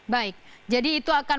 baik jadi itu akan